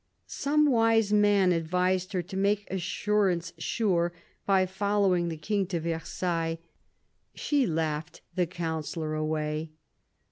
Some wise man advised her to make assurance sure by following the King to Versailles; she 214 CARDINAL DE RICHELIEU laughed the counsellor away.